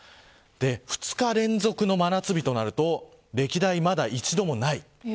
２日連続の真夏日となると歴代、まだ一度もない。